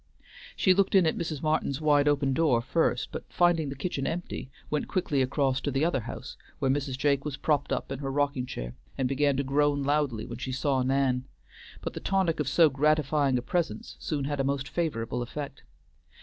She looked in at Mrs. Martin's wide open door first, but finding the kitchen empty, went quickly across to the other house, where Mrs. Jake was propped up in her rocking chair and began to groan loudly when she saw Nan; but the tonic of so gratifying a presence soon had a most favorable effect.